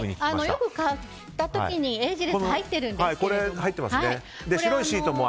よく買った時にエージレスが入ってるんですけれども。